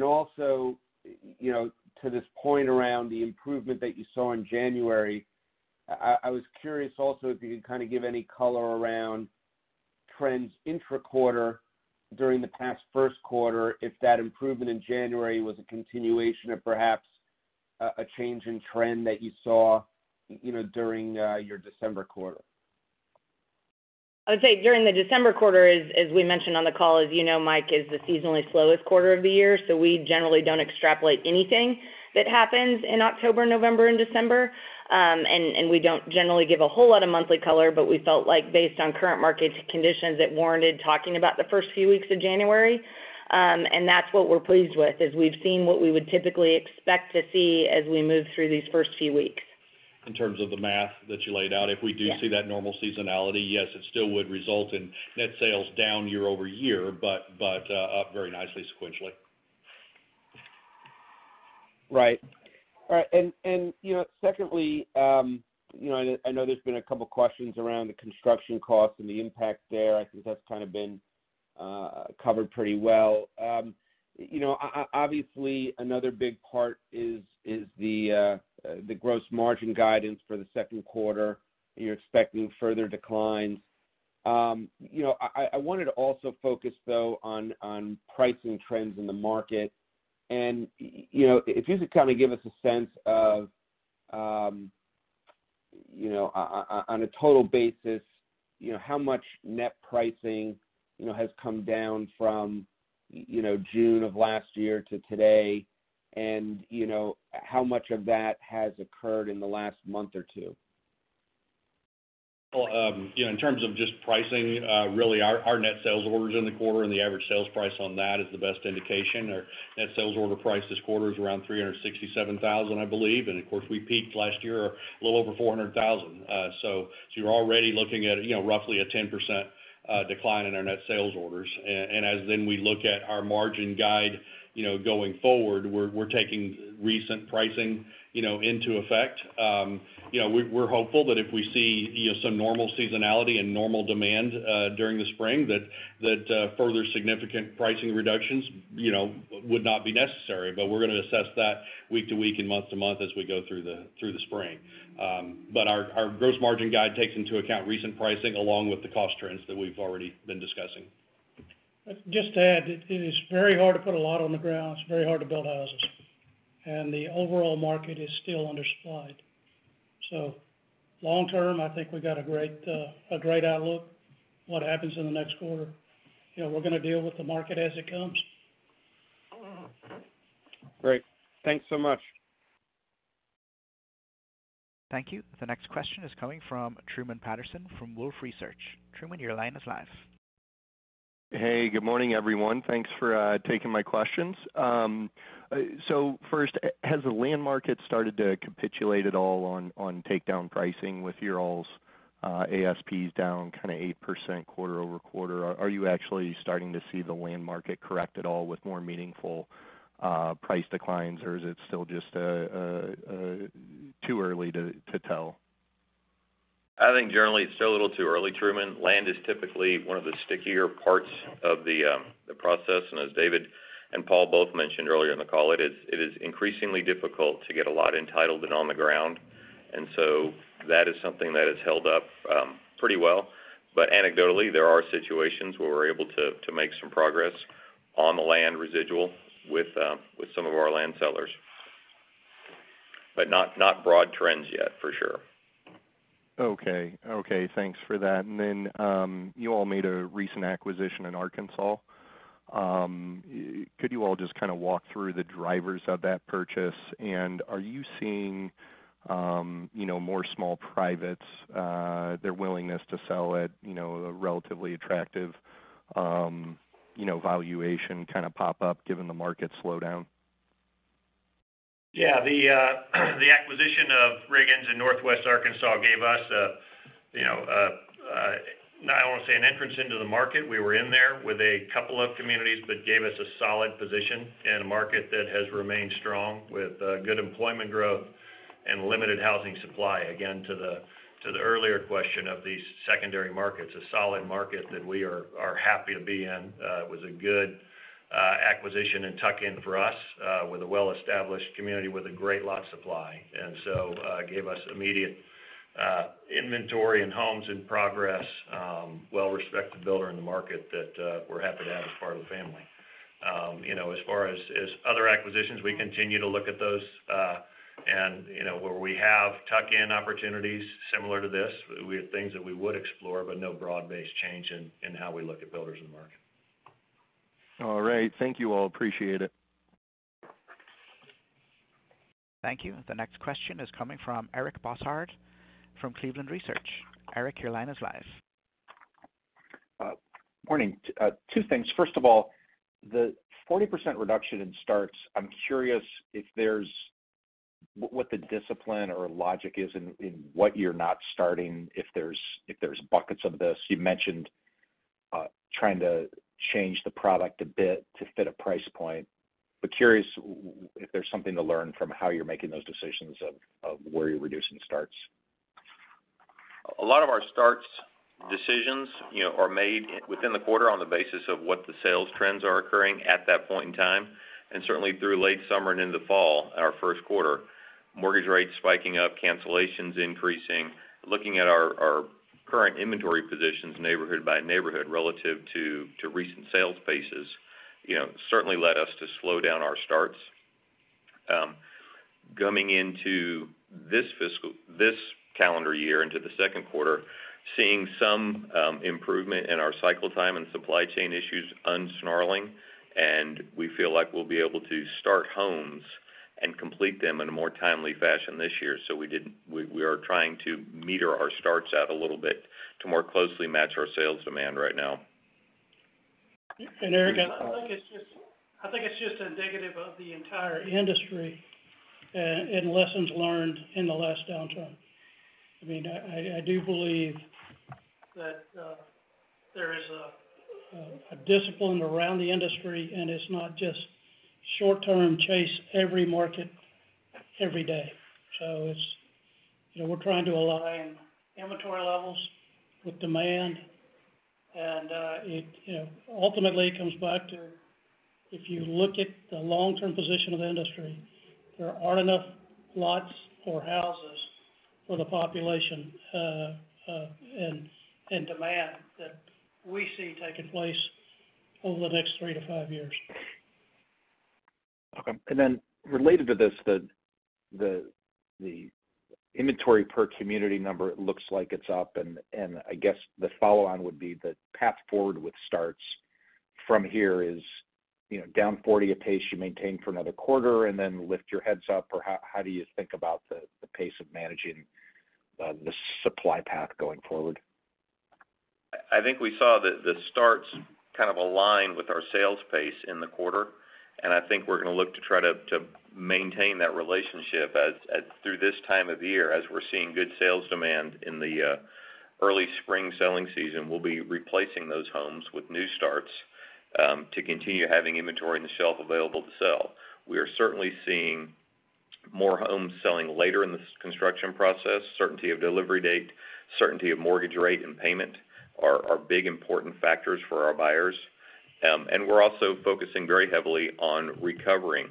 Also, you know, to this point around the improvement that you saw in January, I was curious also if you could kind of give any color around trends intra-quarter during the past first quarter, if that improvement in January was a continuation of perhaps a change in trend that you saw, you know, during your December quarter? I would say during the December quarter, as we mentioned on the call, as you know, Mike, is the seasonally slowest quarter of the year, so we generally don't extrapolate anything that happens in October, November, and December. We don't generally give a whole lot of monthly color, but we felt like based on current market conditions, it warranted talking about the first few weeks of January. That's what we're pleased with, is we've seen what we would typically expect to see as we move through these first few weeks. In terms of the math that you laid out- Yeah. if we do see that normal seasonality, yes, it still would result in net sales down year-over-year, but up very nicely sequentially. Right. All right. You know, secondly, you know, I know there's been a couple questions around the construction costs and the impact there. I think that's kind of been covered pretty well. You know, obviously, another big part is the gross margin guidance for the Q2. You're expecting further declines. You know, I wanted to also focus, though, on pricing trends in the market. You know, if you could kind of give us a sense of, you know, on a total basis, you know, how much net pricing, you know, has come down from, you know, June of last year to today, and, you know, how much of that has occurred in the last month or two? Well, you know, in terms of just pricing, really our net sales orders in the quarter and the average sales price on that is the best indication. Our net sales order price this quarter is around $367,000, I believe. Of course, we peaked last year a little over $400,000. You're already looking at, you know, roughly a 10% decline in our net sales orders. As then we look at our margin guide, you know, going forward, we're taking recent pricing, you know, into effect. You know, we're hopeful that if we see, you know, some normal seasonality and normal demand during the spring that further significant pricing reductions, you know, would not be necessary. We're gonna assess that week to week and month to month as we go through the spring. Our gross margin guide takes into account recent pricing along with the cost trends that we've already been discussing. Just to add, it is very hard to put a lot on the ground. It's very hard to build houses. The overall market is still undersupplied. Long term, I think we've got a great, a great outlook. What happens in the next quarter, you know, we're gonna deal with the market as it comes. Great. Thanks so much. Thank you. The next question is coming from Truman Patterson from Wolfe Research. Truman, your line is live. Hey, good morning, everyone. Thanks for taking my questions. First, has the land market started to capitulate at all on takedown pricing with your all's ASPs down kind of 8% quarter-over-quarter? Are you actually starting to see the land market correct at all with more meaningful price declines, or is it still just too early to tell? I think generally it's still a little too early, Truman. Land is typically one of the stickier parts of the process. As David and Paul both mentioned earlier in the call, it is increasingly difficult to get a lot entitled and on the ground. That is something that has held up pretty well. Anecdotally, there are situations where we're able to make some progress on the land residual with some of our land sellers. Not, not broad trends yet, for sure. Okay. Okay, thanks for that. You all made a recent acquisition in Arkansas. Could you all just kind of walk through the drivers of that purchase? Are you seeing, you know, more small privates, their willingness to sell at, you know, a relatively attractive, you know, valuation kind of pop up given the market slowdown? Yeah. The acquisition of Riggins in Northwest Arkansas gave us a, you know, now I want to say an entrance into the market. We were in there with a couple of communities, but gave us a solid position in a market that has remained strong with good employment growth and limited housing supply. Again, to the earlier question of these secondary markets, a solid market that we are happy to be in. It was a good acquisition and tuck-in for us, with a well-established community with a great lot supply. Gave us immediate inventory and homes in progress, well-respected builder in the market that we're happy to have as part of the family. You know, as far as other acquisitions, we continue to look at those, and, you know, where we have tuck-in opportunities similar to this, we have things that we would explore, but no broad-based change in how we look at builders in the market. All right. Thank you all. Appreciate it. Thank you. The next question is coming from Eric Bosshard from Cleveland Research. Eric, your line is live. Morning. Two things. First of all, the 40% reduction in starts, I'm curious if there's what the discipline or logic is in what you're not starting, if there's buckets of this. You mentioned trying to change the product a bit to fit a price point. Curious if there's something to learn from how you're making those decisions of where you're reducing starts. A lot of our starts decisions, you know, are made within the quarter on the basis of what the sales trends are occurring at that point in time, certainly through late summer and into fall, our first quarter. Mortgage rates spiking up, cancellations increasing. Looking at our current inventory positions, neighborhood by neighborhood, relative to recent sales paces, you know, certainly led us to slow down our starts. Coming into this calendar year into the Q2 some improvement in our cycle time and supply chain issues unsnarling, and we feel like we'll be able to start homes and complete them in a more timely fashion this year. We are trying to meter our starts out a little bit to more closely match our sales demand right now. Eric, I think it's just, I think it's just indicative of the entire industry and lessons learned in the last downturn. I mean, I do believe that there is a discipline around the industry, and it's not just short-term chase every market every day. It's, you know, we're trying to align inventory levels with demand, and it, you know, ultimately it comes back to if you look at the long-term position of industry, there aren't enough lots or houses for the population, and demand that we see taking place over the next 3-5 years. Okay. Related to this, the inventory per community number looks like it's up, and I guess the follow on would be the path forward with starts. From here is, you know, down 40 a pace you maintain for another quarter and then lift your heads up. How do you think about the pace of managing the supply path going forward? I think we saw that the starts kind of align with our sales pace in the quarter, and I think we're gonna look to try to maintain that relationship as through this time of year. As we're seeing good sales demand in the early spring selling season, we'll be replacing those homes with new starts to continue having inventory on the shelf available to sell. We are certainly seeing more homes selling later in the construction process, certainty of delivery date, certainty of mortgage rate and payment are big, important factors for our buyers. We're also focusing very heavily on recovering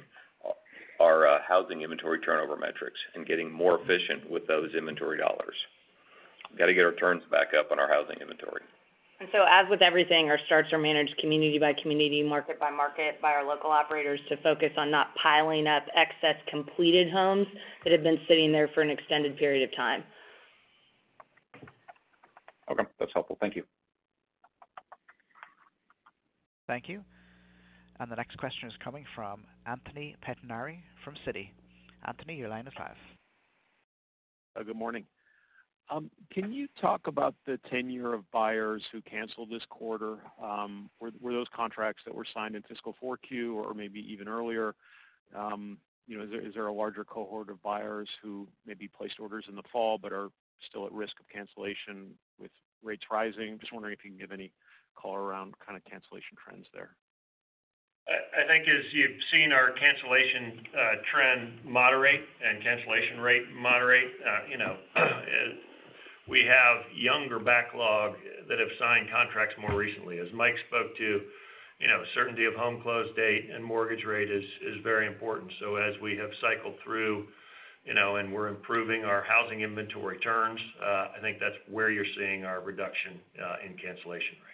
our housing inventory turnover metrics and getting more efficient with those inventory dollars. Gotta get our turns back up on our housing inventory. As with everything, our starts are managed community by community, market by market by our local operators to focus on not piling up excess completed homes that have been sitting there for an extended period of time. Okay, that's helpful. Thank you. Thank you. The next question is coming from Anthony Pettinari from Citi. Anthony, your line is live. Good morning. Can you talk about the tenure of buyers who canceled this quarter? Were those contracts that were signed in fiscal 4Q or maybe even earlier? You know, is there a larger cohort of buyers who maybe placed orders in the fall but are still at risk of cancellation with rates rising? Just wondering if you can give any color around kind of cancellation trends there. I think as you've seen our cancellation trend moderate and cancellation rate moderate, you know, we have younger backlog that have signed contracts more recently. As Mike spoke to, you know, certainty of home close date and mortgage rate is very important. As we have cycled through, you know, and we're improving our housing inventory turns, I think that's where you're seeing our reduction in cancellation rate.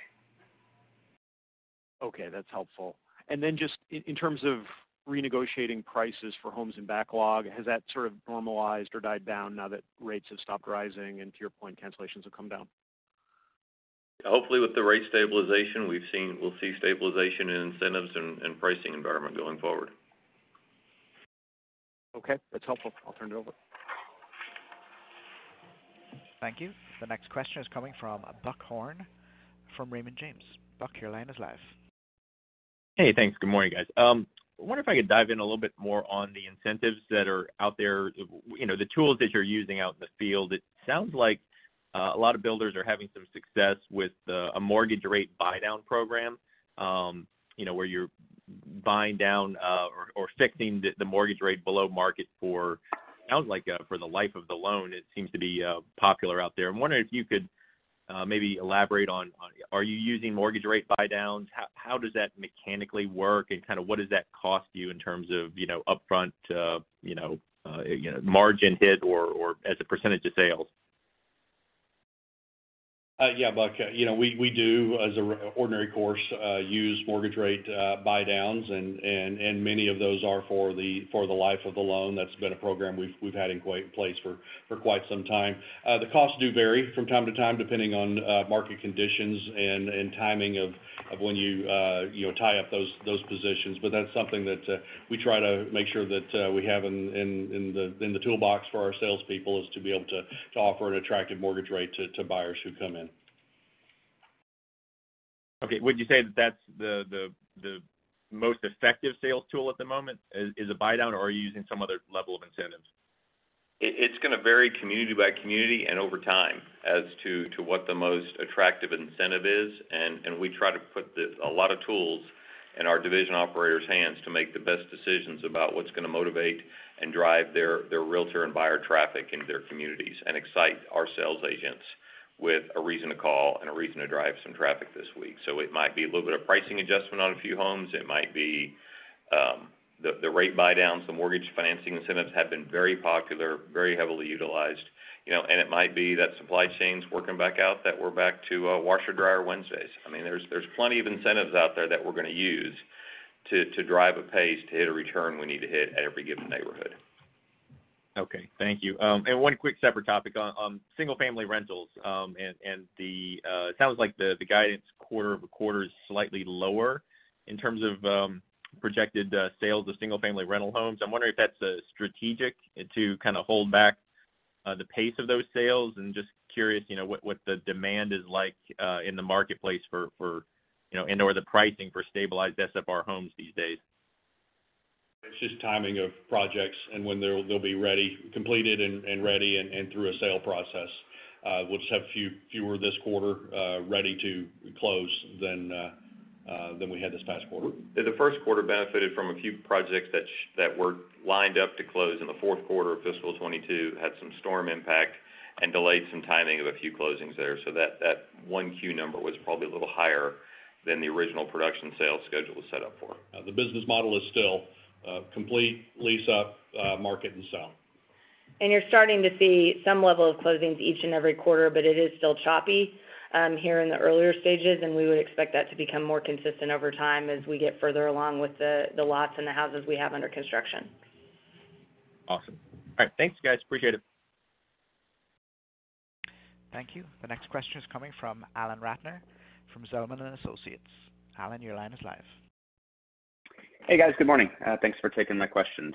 Okay, that's helpful. Then just in terms of renegotiating prices for homes in backlog, has that sort of normalized or died down now that rates have stopped rising and to your point, cancellations have come down? Hopefully, with the rate stabilization we've seen, we'll see stabilization in incentives and pricing environment going forward. Okay. That's helpful. I'll turn it over. Thank you. The next question is coming from Buck Horne from Raymond James. Buck, your line is live. Hey, thanks. Good morning, guys. I wonder if I could dive in a little bit more on the incentives that are out there, you know, the tools that you're using out in the field. It sounds like a lot of builders are having some success with a mortgage rate buydown program, you know, where you're buying down or fixing the mortgage rate below market for, sounds like, for the life of the loan. It seems to be popular out there. I'm wondering if you could maybe elaborate on are you using mortgage rate buydowns? How does that mechanically work, and kinda what does that cost you in terms of, you know, upfront, you know, you know, margin hit or as a % of sales? Yeah, Buck. You know, we do, as ordinary course, use mortgage rate buydowns, and many of those are for the life of the loan. That's been a program we've had in place for quite some time. The costs do vary from time to time, depending on market conditions and timing of when you know, tie up those positions. That's something that we try to make sure that we have in the toolbox for our salespeople, is to be able to offer an attractive mortgage rate to buyers who come in. Okay. Would you say that that's the most effective sales tool at the moment is a buydown, or are you using some other level of incentives? It's gonna vary community by community and over time as to what the most attractive incentive is. We try to put a lot of tools in our division operators' hands to make the best decisions about what's gonna motivate and drive their realtor and buyer traffic into their communities and excite our sales agents with a reason to call and a reason to drive some traffic this week. It might be a little bit of pricing adjustment on a few homes. It might be the rate buydowns, the mortgage financing incentives have been very popular, very heavily utilized, you know. It might be that supply chain's working back out, that we're back to washer/dryer Wednesdays. I mean, there's plenty of incentives out there that we're gonna use to drive a pace to hit a return we need to hit at every given neighborhood. Okay. Thank you. One quick separate topic. On single-family rentals, and it sounds like the guidance quarter-over-quarter is slightly lower in terms of projected sales of single-family rental homes. I'm wondering if that's strategic to kinda hold back the pace of those sales. Just curious, you know, what the demand is like in the marketplace for, you know, and/or the pricing for stabilized SFR homes these days. It's just timing of projects and when they'll be ready, completed and ready and through a sale process. We'll just have fewer this quarter ready to close than we had this past quarter. The first quarter benefited from a few projects that were lined up to close in the fourth quarter of fiscal 2022, had some storm impact and delayed some timing of a few closings there. That 1Q number was probably a little higher than the original production sales schedule was set up for. The business model is still, complete lease up, market and sell. You're starting to see some level of closings each and every quarter, but it is still choppy here in the earlier stages, and we would expect that to become more consistent over time as we get further along with the lots and the houses we have under construction. Awesome. All right. Thanks, guys. Appreciate it. Thank you. The next question is coming from Alan Ratner from Zelman & Associates. Alan, your line is live. Hey, guys. Good morning. Thanks for taking my questions.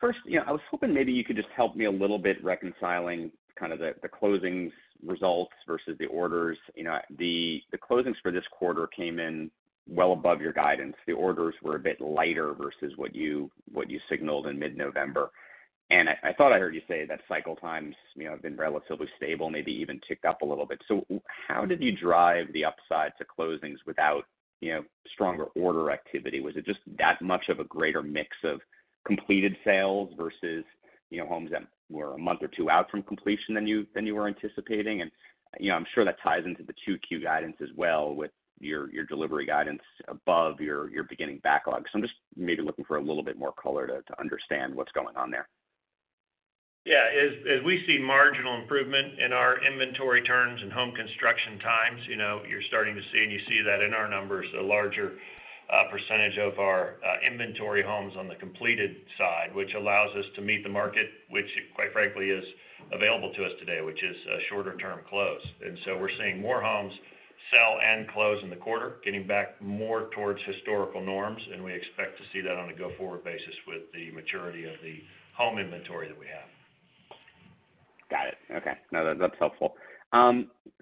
First, you know, I was hoping maybe you could just help me a little bit reconciling kind of the closings results versus the orders. You know, the closings for this quarter came in well above your guidance. The orders were a bit lighter versus what you signaled in mid-November. I thought I heard you say that cycle times, you know, have been relatively stable, maybe even ticked up a little bit. How did you drive the upside to closings without, you know, stronger order activity? Was it just that much of a greater mix of completed sales versus, you know, homes that were a month or two out from completion than you were anticipating? You know, I'm sure that ties into the 2Q guidance as well with your delivery guidance above your beginning backlog. I'm just maybe looking for a little bit more color to understand what's going on there. Yeah. As we see marginal improvement in our inventory turns and home construction times, you know, you're starting to see, and you see that in our numbers, a larger percentage of our inventory homes on the completed side, which allows us to meet the market, which quite frankly is available to us today, which is a shorter term close. We're seeing more homes sell and close in the quarter, getting back more towards historical norms, and we expect to see that on a go-forward basis with the maturity of the home inventory that we have. Got it. Okay. No, that's helpful.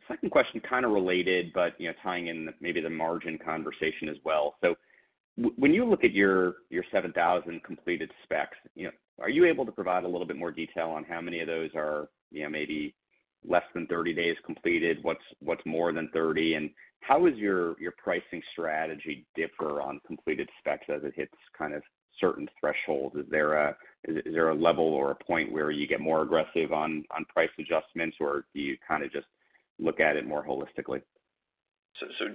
Second question, kind of related, but, you know, tying in maybe the margin conversation as well. When you look at your 7,000 completed specs, you know, are you able to provide a little bit more detail on how many of those are, you know, maybe less than 30 days completed? What's more than 30? How is your pricing strategy differ on completed specs as it hits kind of certain thresholds? Is there a level or a point where you get more aggressive on price adjustments, or do you kind of just look at it more holistically?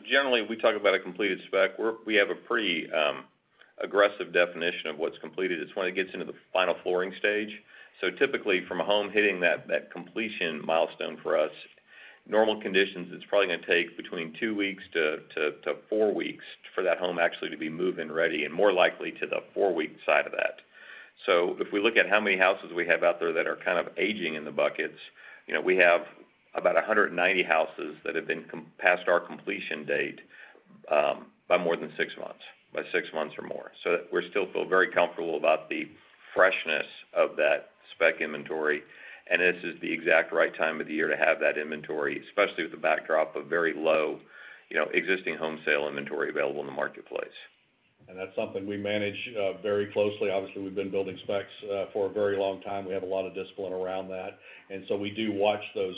Generally, we talk about a completed spec. We have a pretty aggressive definition of what's completed. It's when it gets into the final flooring stage. Typically, from a home hitting that completion milestone for us, normal conditions, it's probably gonna take between two weeks to four weeks for that home actually to be move-in ready, and more likely to the four week side of that. If we look at how many houses we have out there that are kind of aging in the buckets, you know, we have about 190 houses that have been past our completion date by more than six months, by six months or more. We still feel very comfortable about the freshness of that spec inventory, and this is the exact right time of the year to have that inventory, especially with the backdrop of very low, you know, existing home sale inventory available in the marketplace. That's something we manage very closely. Obviously, we've been building specs for a very long time. We have a lot of discipline around that. We do watch those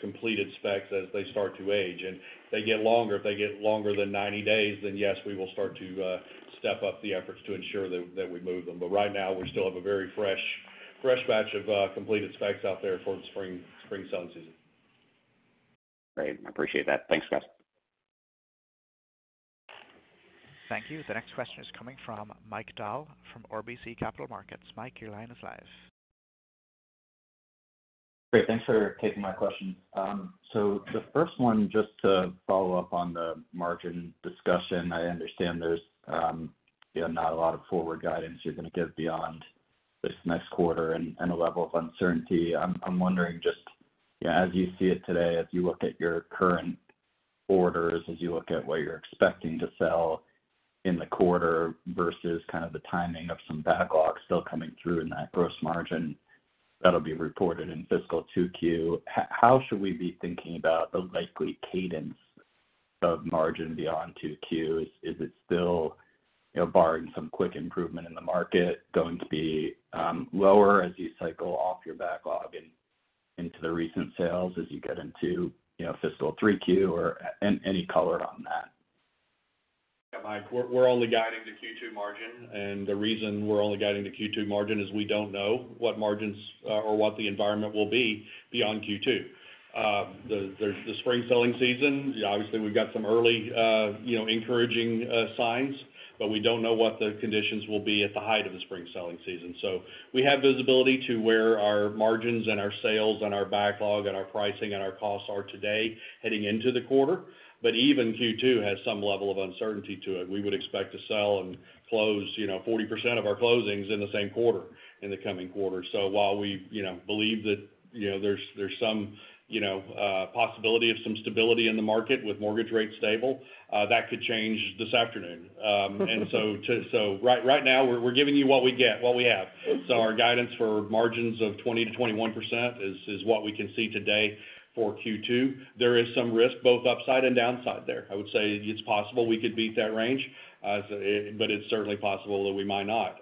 completed specs as they start to age, and they get longer. If they get longer than 90 days, yes, we will start to step up the efforts to ensure that we move them. Right now, we still have a very fresh batch of completed specs out there for the spring selling season. Great. I appreciate that. Thanks, guys. Thank you. The next question is coming from Michael Dahl from RBC Capital Markets. Mike, your line is live. Great. Thanks for taking my question. The first one, just to follow up on the margin discussion. I understand there's, you know, not a lot of forward guidance you're gonna give beyond this next quarter and a level of uncertainty. I'm wondering just, you know, as you see it today, as you look at your current orders, as you look at what you're expecting to sell in the quarter versus kind of the timing of some backlogs still coming through in that gross margin that'll be reported in fiscal 2Q, how should we be thinking about the likely cadence of margin beyond 2Q? Is it still, you know, barring some quick improvement in the market, going to be lower as you cycle off your backlog and into the recent sales as you get into, you know, fiscal 3Q, or any color on that? Yeah, Mike, we're only guiding the Q2 margin. The reason we're only guiding the Q2 margin is we don't know what margins, or what the environment will be beyond Q2. There's the spring selling season. Obviously, we've got some early, you know, encouraging, signs, but we don't know what the conditions will be at the height of the spring selling season. We have visibility to where our margins and our sales and our backlog and our pricing and our costs are today heading into the quarter. Even Q2 has some level of uncertainty to it. We would expect to sell and close, you know, 40% of our closings in the same quarter in the coming quarter. While we, you know, believe that, you know, there's some, you know, possibility of some stability in the market with mortgage rates stable, that could change this afternoon. Right now, we're giving you what we get, what we have. Our guidance for margins of 20%-21% is what we can see today for Q2. There is some risk both upside and downside there. I would say it's possible we could beat that range, but it's certainly possible that we might not.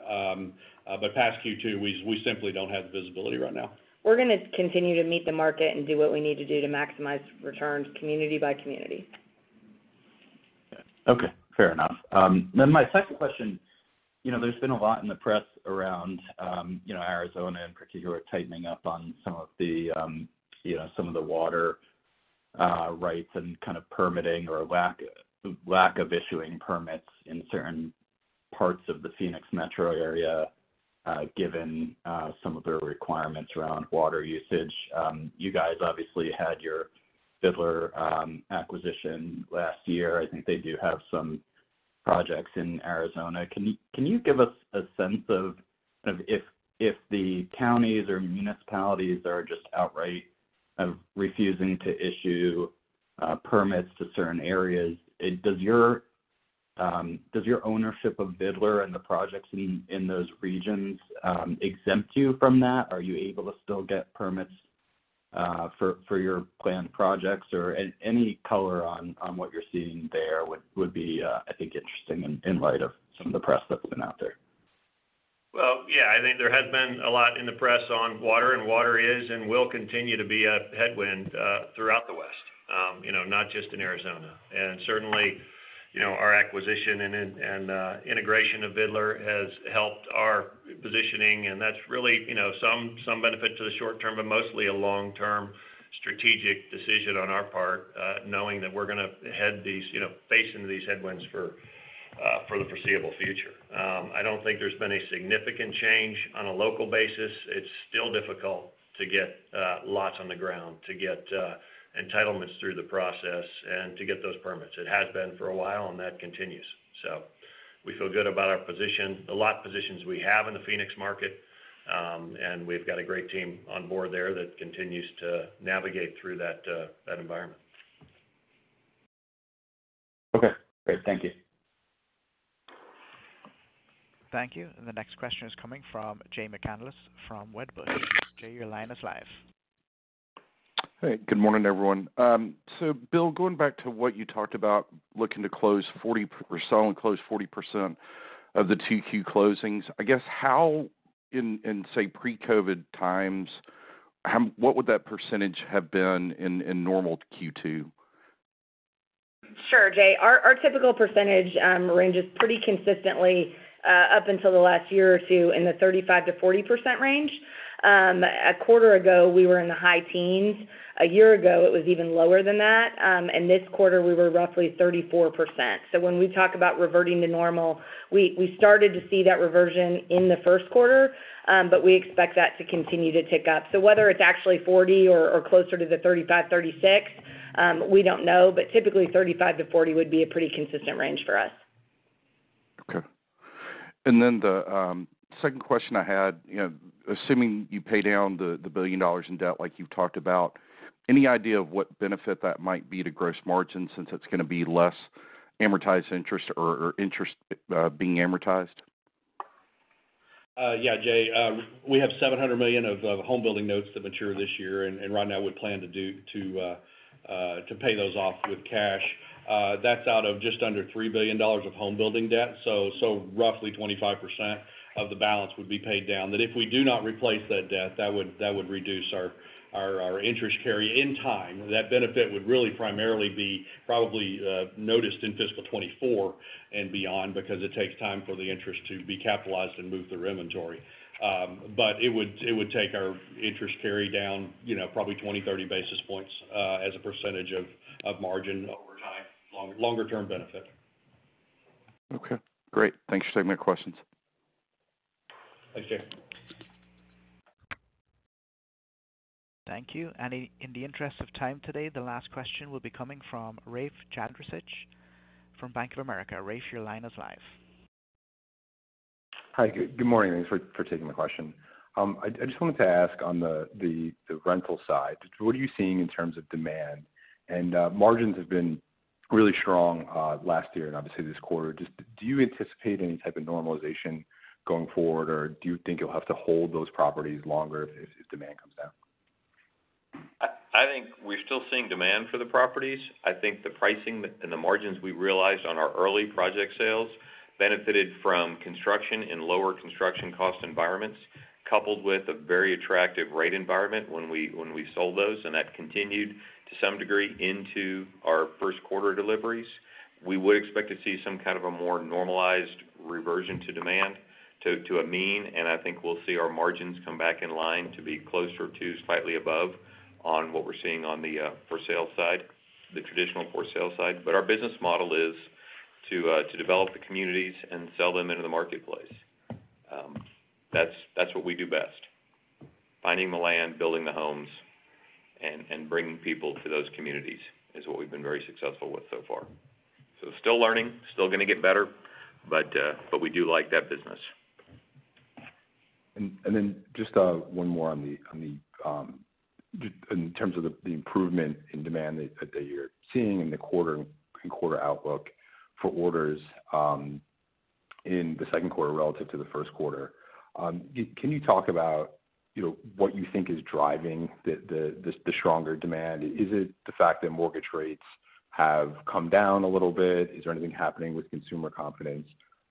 Past Q2, we simply don't have the visibility right now. We're gonna continue to meet the market and do what we need to do to maximize returns community by community. Okay. Fair enough. My second question, you know, there's been a lot in the press around, you know, Arizona in particular tightening up on some of the, you know, some of the water rights and kind of permitting or lack of issuing permits in certain parts of the Phoenix metro area, given some of their requirements around water usage. You guys obviously had your Vidler acquisition last year. I think they do have some projects in Arizona. Can you give us a sense of if the counties or municipalities are just outright refusing to issue permits to certain areas, does your ownership of Vidler and the projects in those regions exempt you from that? Are you able to still get permits for your planned projects? Any color on what you're seeing there would be I think interesting in light of some of the press that's been out there. Well, yeah. I think there has been a lot in the press on water is and will continue to be a headwind throughout the West, you know, not just in Arizona. Certainly, you know, our acquisition and integration of Vidler has helped our positioning, and that's really, you know, some benefit to the short term, but mostly a long-term strategic decision on our part, knowing that we're gonna head these, you know, face into these headwinds for the foreseeable future. I don't think there's been a significant change on a local basis. It's still difficult to get lots on the ground, to get entitlements through the process and to get those permits. It has been for a while, and that continues. We feel good about our position, the lot positions we have in the Phoenix market, and we've got a great team on board there that continues to navigate through that environment. Okay, great. Thank you. Thank you. The next question is coming from Jay McCanless from Wedbush. Jay, your line is live. Hey, good morning, everyone. Bill, going back to what you talked about looking to sell and close 40% of the 2Q closings, I guess how in, say, pre-COVID times, what would that percentage have been in normal Q2? Sure, Jay. Our typical percentage ranges pretty consistently up until the last year or two, in the 35%-40% range. A quarter ago, we were in the high teens. A year ago, it was even lower than that. This quarter, we were roughly 34%. When we talk about reverting to normal, we started to see that reversion in the Q1, but we expect that to continue to tick up. Whether it's actually 40 or closer to the 35, 36, we don't know, but typically 35%-40% would be a pretty consistent range for us. Okay. The second question I had, you know, assuming you pay down the $1 billion in debt like you've talked about, any idea of what benefit that might be to gross margin since it's gonna be less amortized interest or interest being amortized? Yeah, Jay. We have $700 million of home building notes that mature this year. Right now we plan to pay those off with cash. That's out of just under $3 billion of home building debt, roughly 25% of the balance would be paid down. That if we do not replace that debt, that would reduce our interest carry in time. That benefit would really primarily be probably noticed in fiscal 2024 and beyond because it takes time for the interest to be capitalized and move through inventory. It would take our interest carry down, you know, probably 20, 30 basis points as a percentage of margin over time. Longer term benefit. Okay, great. Thanks for taking my questions. Thanks, Jay. Thank you. In the interest of time today, the last question will be coming from Rafe Jadrosich from Bank of America. Rafe, your line is live. Hi. Good morning. Thanks for taking the question. I just wanted to ask on the rental side, what are you seeing in terms of demand? Margins have been really strong last year and obviously this quarter. Just do you anticipate any type of normalization going forward, or do you think you'll have to hold those properties longer if demand comes down? I think we're still seeing demand for the properties. I think the pricing and the margins we realized on our early project sales benefited from construction and lower construction cost environments, coupled with a very attractive rate environment when we sold those. That continued, to some degree, into our Q1 deliveries. We would expect to see some kind of a more normalized reversion to demand to a mean, and I think we'll see our margins come back in line to be closer to, slightly above on what we're seeing on the for sale side, the traditional for sale side. Our business model is to develop the communities and sell them into the marketplace. That's what we do best. Finding the land, building the homes and bringing people to those communities is what we've been very successful with so far. Still learning, still gonna get better, but we do like that business. Just 1 more on the in terms of the improvement in demand that you're seeing in the quarter and quarter outlook for orders in the Q2 relative to the Q1. Can you talk about, you know, what you think is driving the stronger demand? Is it the fact that mortgage rates have come down a little bit? Is there anything happening with consumer confidence?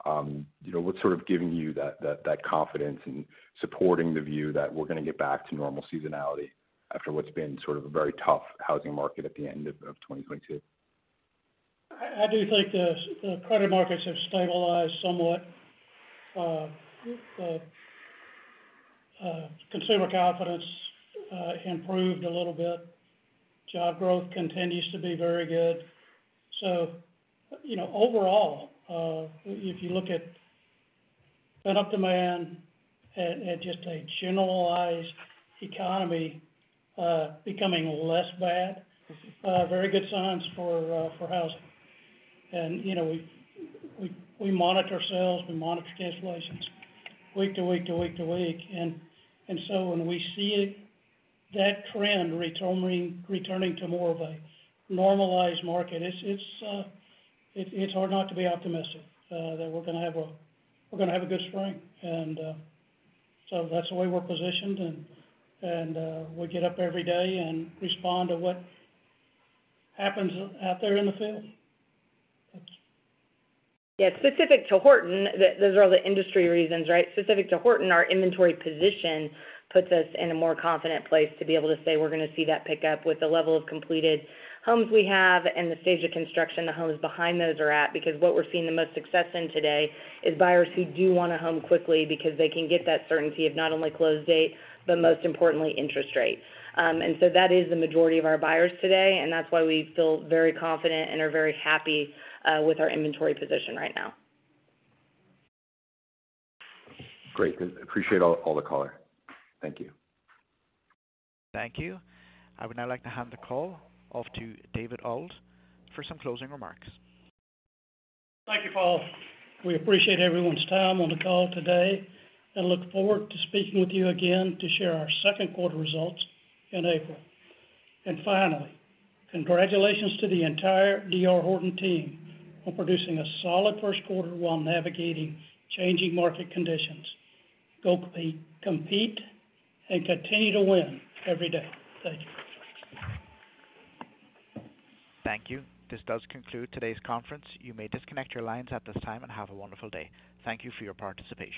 You know, what's sort of giving you that confidence and supporting the view that we're gonna get back to normal seasonality after what's been sort of a very tough housing market at the end of 2022? I do think the credit markets have stabilized somewhat. consumer confidence improved a little bit. Job growth continues to be very good. You know, overall, if you look at Pent-up demand and just a generalized economy, becoming less bad. Very good signs for housing. You know, we monitor sales, we monitor cancellations week to week to week to week and so when we see that trend returning to more of a normalized market, it's hard not to be optimistic that we're gonna have a good spring. That's the way we're positioned and we get up every day and respond to what happens out there in the field. Yeah. Specific to Horton, those are all the industry reasons, right? Specific to Horton, our inventory position puts us in a more confident place to be able to say we're gonna see that pick up with the level of completed homes we have and the stage of construction the homes behind those are at. What we're seeing the most success in today is buyers who do want a home quickly because they can get that certainty of not only close date, but most importantly, interest rates. That is the majority of our buyers today, and that's why we feel very confident and are very happy with our inventory position right now. Great. Appreciate all the color. Thank you. Thank you. I would now like to hand the call off to David Auld for some closing remarks. Thank you, Paul. We appreciate everyone's time on the call today and look forward to speaking with you again to share our Q2 results in April. Finally, congratulations to the entire D.R. Horton team on producing a solid first quarter while navigating changing market conditions. Go compete and continue to win every day. Thank you. Thank you. This does conclude today's conference. You may disconnect your lines at this time and have a wonderful day. Thank you for your participation.